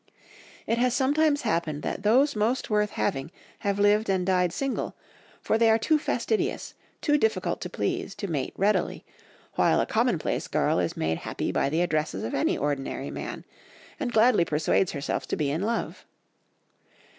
It has sometimes happened that those most worth having have lived and died single, for they are too fastidious, too difficult to please, to mate readily, while a commonplace girl is made happy by the addresses of any ordinary man, and gladly persuades herself to be in love.